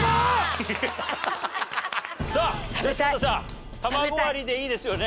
さあじゃあ柴田さん卵割りでいいですよね？